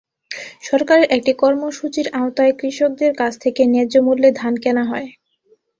সরকারের একটি কর্মসূচির আওতায় কৃষকদের কাছ থেকে ন্যায্য মূল্যে ধান কেনা হয়।